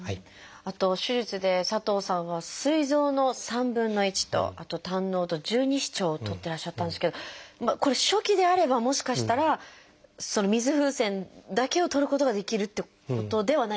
あと手術で佐藤さんはすい臓の３分の１とあと胆のうと十二指腸を取ってらっしゃったんですけどこれ初期であればもしかしたらその水風船だけを取ることができるってことではないんですか？